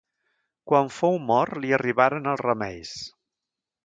Quan fou mort li arribaren els remeis.